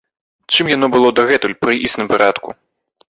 Чым яно было дагэтуль пры існым парадку?